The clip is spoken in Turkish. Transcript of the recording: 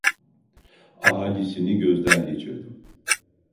Ahalisini gözden geçirdim…